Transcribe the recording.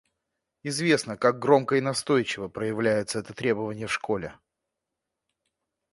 Известно, как громко и настойчиво проявляется это требование в школе.